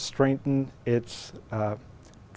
sẽ phải giải quyết